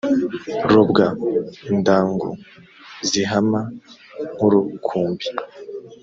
robwa indagu zihama nkurukumbi